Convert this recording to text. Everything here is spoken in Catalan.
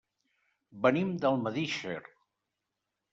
Venim d'Almedíxer.